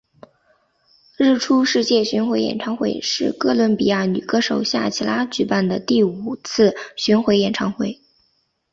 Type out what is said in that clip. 日出世界巡回演唱会是哥伦比亚女歌手夏奇拉举办的第五次巡回演唱会。